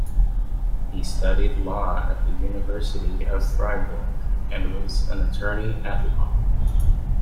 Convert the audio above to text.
He studied law at the University of Fribourg and was an attorney-at-law.